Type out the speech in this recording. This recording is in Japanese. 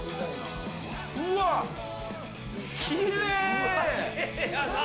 うわ、きれい！